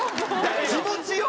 気持ちよ？